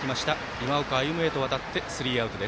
今岡歩夢へとわたってスリーアウト。